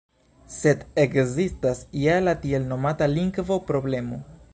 Sed ekzistas ja la tiel nomata “lingvo-problemo”.